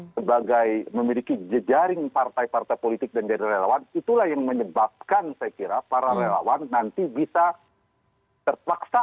sebagai memiliki jejaring partai partai politik dan jadi relawan itulah yang menyebabkan saya kira para relawan nanti bisa terpaksa